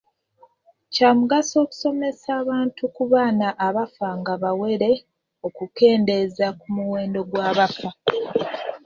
Kya mugaso okusomesa abantu ku baana abafa nga bawere okukendeeza ku muwendo gw'abafa.